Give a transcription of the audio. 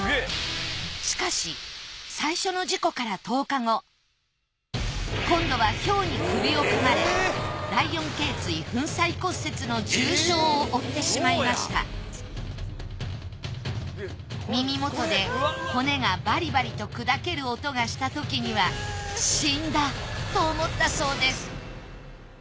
しかし最初の事故から今度はヒョウに首をかまれ第四頚椎粉砕骨折の重傷を負ってしまいました耳元で骨がバリバリと砕ける音がしたときには死んだと思ったそうです。